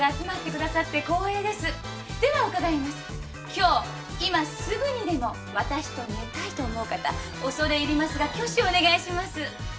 今日今すぐにでも私と寝たいと思う方恐れ入りますが挙手をお願いします。